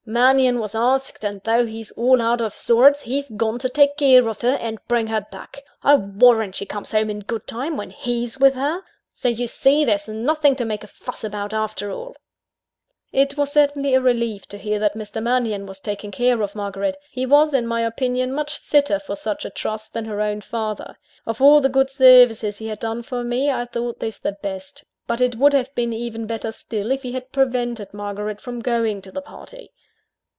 Mannion was asked; and though he's all out of sorts, he's gone to take care of her, and bring her back. I'll warrant she comes home in good time, when he's with her. So you see there's nothing to make a fuss about, after all." It was certainly a relief to hear that Mr. Mannion was taking care of Margaret. He was, in my opinion, much fitter for such a trust than her own father. Of all the good services he had done for me, I thought this the best but it would have been even better still, if he had prevented Margaret from going to the party.